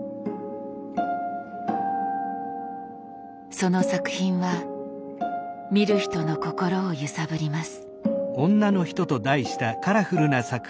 その作品は見る人の心を揺さぶります。